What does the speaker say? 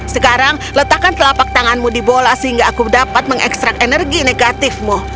sekarang letakkan telapak tanganmu di bola sehingga aku dapat mengekstrak energi negatifmu